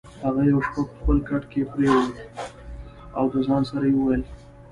هغه یوه شپه په خپل کټ کې پرېوت او د ځان سره یې وویل: